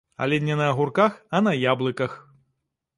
Але не на агурках, а на яблыках!